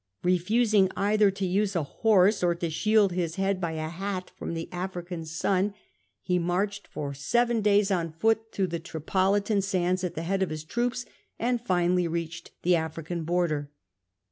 Refusing either to use a horse or to shield his head by a hat from the African sun, he marched for seven days on foot through the Tripolitan sands at the head of his troops, and finally reached the African border.